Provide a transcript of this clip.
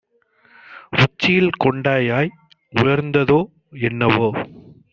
உச்சியில் கொண்டையாய் உயர்ந்ததோ என்னவோ!